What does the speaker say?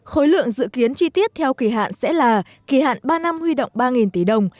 khối lượng dự kiến chi tiết theo kỳ hạn sẽ là kỳ hạn ba năm huy động ba tỷ đồng